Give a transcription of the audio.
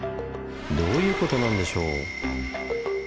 どういうことなんでしょう？